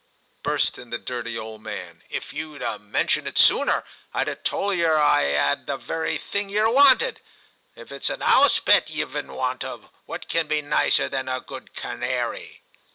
' burst in the dirty old man; *if youd 'a mentioned it sooner, Td 'a told yer as I *ad the very thing yer wanted. If it's a 'ouse pet yeVe in want of, what can be nicer than a good canary